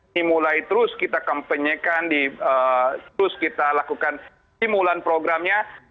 dimulai terus kita kampanyekan terus kita lakukan simulan programnya